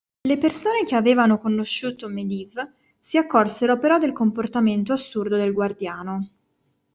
Le persone che avevano conosciuto Medivh si accorsero però del comportamento assurdo del Guardiano.